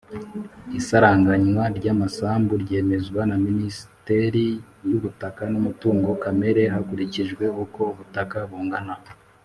Isaranganywa ry amasambu ryemezwa na minisiteri y’ ubutaka n ‘umutungo kamere hakurikijwe uko ubutaka bungana